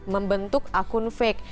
membentuk akun fake